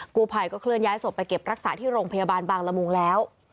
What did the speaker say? กูภัยก็เคลื่อนย้ายศพไปเก็บรักษาที่โรงพยาบาลบางละมุงแล้ว